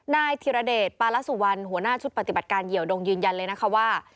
นายธิรเดชปาลสุวรรณหัวหน้าชุดปฏิบัติการเหี่ยวดงยืนยันเลยนะคะว่า